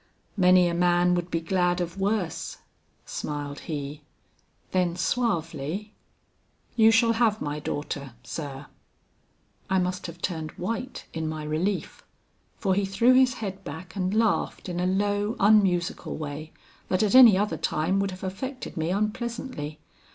'Many a man would be glad of worse,' smiled he; then suavely, 'you shall have my daughter, sir.' "I must have turned white in my relief, for he threw his head back and laughed in a low unmusical way that at any other time would have affected me unpleasantly.